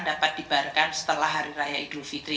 dapat dibayarkan setelah hari raya idul fitri